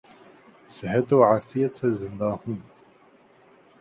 صحت و عافیت سے زندہ رہوں